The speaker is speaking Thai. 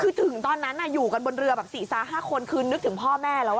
คือถึงตอนนั้นอยู่กันบนเรือแบบ๔๕คนคือนึกถึงพ่อแม่แล้ว